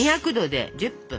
２００℃で１０分。